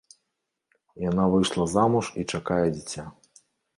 Яна выйшла замуж і чакае дзіця.